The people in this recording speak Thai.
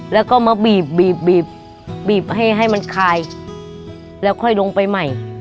แล้วมาบีบให้มันคายแล้วลงไปใหม่